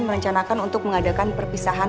merencanakan untuk mengadakan perpisahan